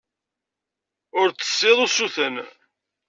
Ur d-tessiḍ usuten.